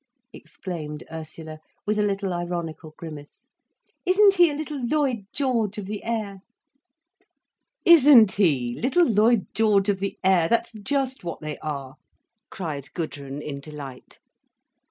exclaimed Ursula, with a little ironical grimace. "Isn't he a little Lloyd George of the air!" "Isn't he! Little Lloyd George of the air! That's just what they are," cried Gudrun in delight.